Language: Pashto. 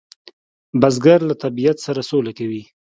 بزګر له طبیعت سره سوله کوي